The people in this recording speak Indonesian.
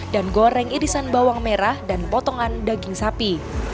dan goreng irisan bawang merah dan potongan daging sapi